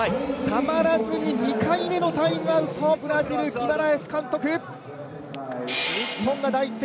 たまらずに２回目のタイムアウト、ブラジル、ギマラエス監督。